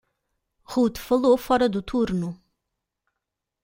Ruth falou fora do turno.